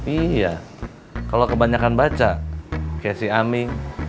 iya kalau kebanyakan baca kayak si aming